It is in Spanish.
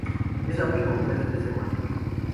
Es la única mujer de tres hermanos.